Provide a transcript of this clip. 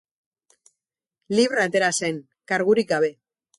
Libre atera zen, kargurik gabe.